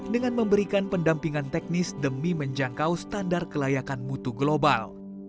dengan memberikan pendampingan teknis demi menjangkau standar kelayakan mutu global